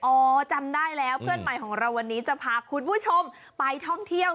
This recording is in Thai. อ๋อจำได้แล้วเพื่อนใหม่ของเราวันนี้จะพาคุณผู้ชมไปท่องเที่ยว